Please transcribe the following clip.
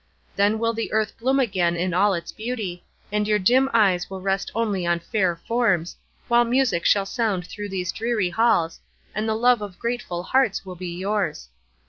"Then will the earth bloom again in all its beauty, and your dim eyes will rest only on fair forms, while music shall sound through these dreary halls, and the love of grateful hearts be yours.